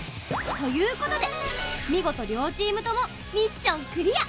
ということで見事両チームともミッションクリア。